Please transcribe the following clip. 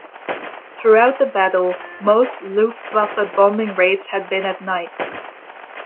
Throughout the battle, most Luftwaffe bombing raids had been at night.